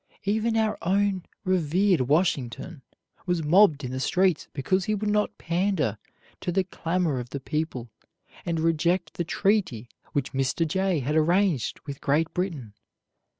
Even our own revered Washington was mobbed in the streets because he would not pander to the clamor of the people and reject the treaty which Mr. Jay had arranged with Great Britain.